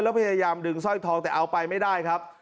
แล้วพยายามดึงสร้อยทองแต่เอาไปไม่ได้ครับ